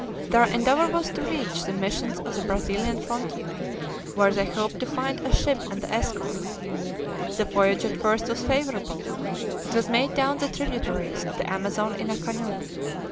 Their endeavor was to reach the missions on the Brazilian frontier, where they hoped to find a ship and the escort. The voyage at first was favorable; it was made down the tributaries of the Amazon in a canoe.